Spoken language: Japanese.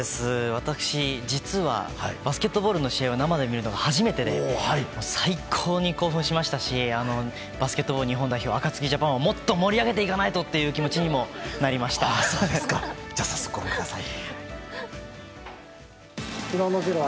私、実はバスケットボールの試合を生で見るのは初めてで最高に興奮しましたしバスケットボール日本代表のアカツキジャパンをもっと盛り上げていかないとじゃあ、早速ご覧ください。